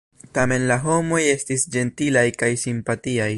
Tamen la homoj estis ĝentilaj kaj simpatiaj.